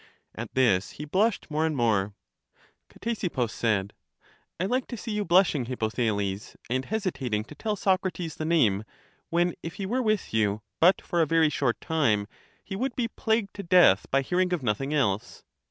At this he blushed more and more. Ctesippus said: I like to see you blushing, Hip pothales, and hesitating to tell Socrates the name; when, if he were with you but for a very short time, he would be plagued to death by hearing of nothing else.